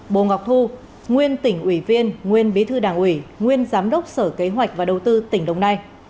bồ ngọc thu nguyên tỉnh ủy viên nguyên bí thư đảng ủy nguyên giám đốc sở kế hoạch và đầu tư tỉnh đồng nai